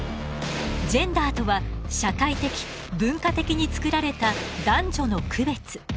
ジェンダーとは社会的文化的に作られた男女の区別。